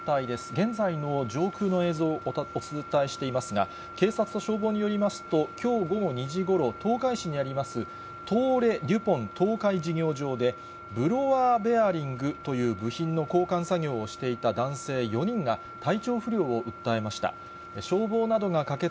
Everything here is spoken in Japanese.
現在の上空の映像をお伝えしていますが、警察と消防によりますと、きょう午後２時ごろ、東海市にあります、東レデュポン東海事業場でブロワーベアリングという部品の交換作業をしていた男性４人が体調不良を訴えました。